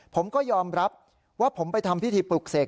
ผมก็ยอมรับว่าผมไปทำพิธีปลุกเสก